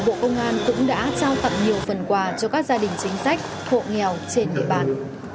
bộ công an cũng đã trao tặng nhiều phần quà cho các gia đình chính sách hộ nghèo trên địa bàn